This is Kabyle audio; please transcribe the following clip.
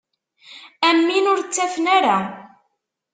Am win ur ttafen ara.